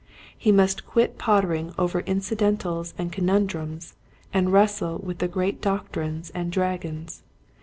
He must quit pottering over inci dentals and conundrums and wrestle with the great doctrines and dragons.